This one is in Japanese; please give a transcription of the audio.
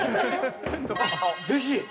ぜひ！